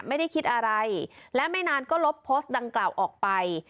ไม่ได้คิดอะไรและไม่นานก็ลบโพสต์ดังกล่าวออกไป